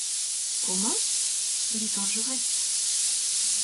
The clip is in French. Comment ? il y songerait.